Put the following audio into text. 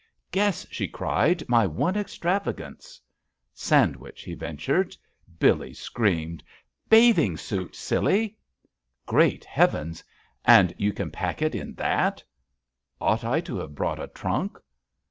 "Guess," she cried, "my one extrava gance!" JUST SWEETHEARTS "Sandwich," he ventured. Billcc screamed : "Bathing suit, siUy!" "Great heavens! And you can pack it in that?" "Ought I to have brought a trunk?"